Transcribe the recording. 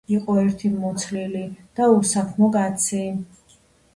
იყო ერთი მოცლილი და უსაქმო კაცი.